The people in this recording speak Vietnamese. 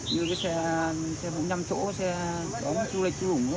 như cái xe bụng nhằm chỗ xe chú lệch chú rủng nó cũng như thế